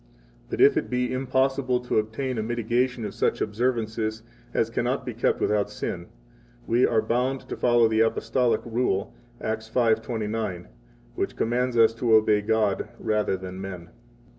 But if it be impossible to obtain a mitigation of such observances as cannot be kept without sin, we are bound to follow the apostolic rule, Acts 5:29, which commands us to obey God rather than men.